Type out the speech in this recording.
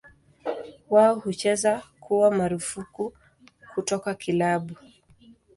Wao huweza kuwa marufuku kutoka kilabu.